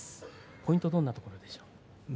ポイントはどんなところでしょうか。